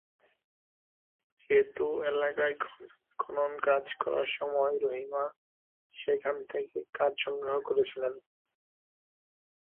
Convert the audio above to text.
সেতু এলাকায় খননকাজ করার সময় রহিমা সেখান থেকে কাঠ সংগ্রহ করছিলেন।